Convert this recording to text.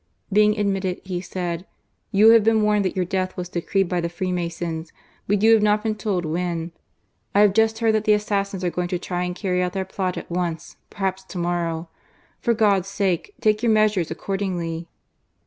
Being admitted, he said : ^*You have been warned that your death was decreed by the Freemasons ; but you have not been told when. I have just heard that the assassins are going to try and carry out their plot at once, perhaps to morrow. For God's sake, take your measures accordingly